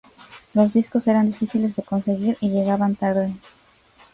Los discos eran difíciles de conseguir y llegaban tarde.